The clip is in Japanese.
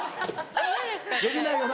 できないよな？